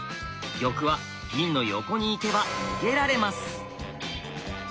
玉は銀の横に行けば逃げられます。